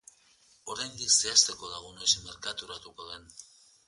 Oraindik zehazteko dago noiz merkaturatuko den.